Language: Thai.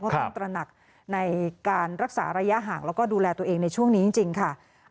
ต้องตระหนักในการรักษาระยะห่างแล้วก็ดูแลตัวเองในช่วงนี้จริงค่ะ